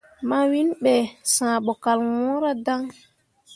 Mawiŋ be, sããh bo kal wɲǝǝra dan.